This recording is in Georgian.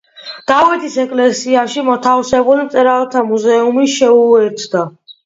დავითის ეკლესიაში მოთავსებული მწერალთა მუზეუმი შეუერთდა.